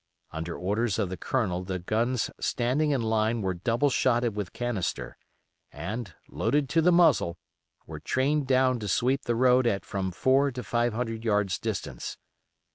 Under orders of the Colonel the guns standing in line were double shotted with canister, and, loaded to the muzzle, were trained down to sweep the road at from four to five hundred yards' distance.